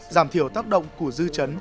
giảm thiểu tác động của dư chấn